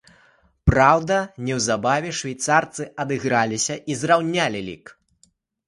Праўда, неўзабаве швейцарцы адыграліся і зраўнялі лік.